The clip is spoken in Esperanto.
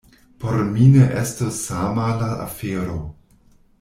Por mi ne estos sama la afero.